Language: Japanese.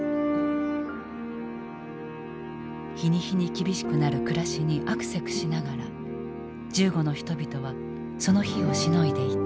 日に日に厳しくなる暮らしにあくせくしながら銃後の人々はその日をしのいでいた。